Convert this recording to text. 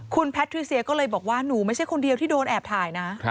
คุณแพทริเซียก็เลยบอกว่าหนูไม่ใช่คนเดียวที่โดนแอบถ่ายนะ